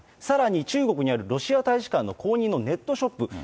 さらに中国にあるロシア大使館の公認のネットショップ。